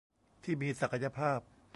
ที่มีศักยภาพ